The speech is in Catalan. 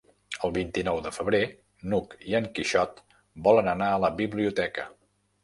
El vint-i-nou de febrer n'Hug i en Quixot volen anar a la biblioteca.